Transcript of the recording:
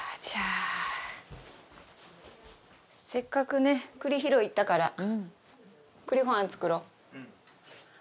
せっかくね栗拾い行ったから栗ご飯作ろう。